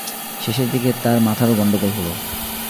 শেষের দিকে তাঁর মাথারও গণ্ডগোল হল।